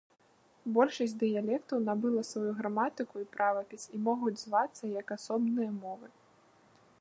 Большасць дыялектаў набыла сваю граматыку і правапіс і могуць звацца як асобныя мовы.